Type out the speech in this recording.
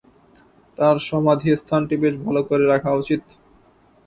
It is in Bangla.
তাঁর সমাধিস্থানটি বেশ ভাল করে রাখা উচিত।